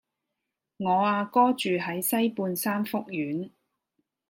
我阿哥住喺西半山福苑